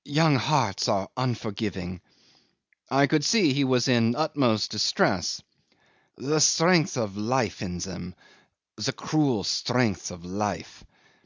... Young hearts are unforgiving. ..." I could see he was in utmost distress. ... "The strength of life in them, the cruel strength of life.